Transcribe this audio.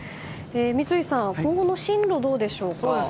三井さん、今後の進路はどうでしょうか。